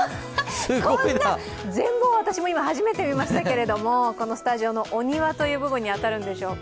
こんな、全貌を私、初めて見ましたけどこのスタジオのお庭という部分に当たるんでしょうか。